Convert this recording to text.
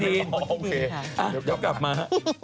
เดี๋ยวกลับมา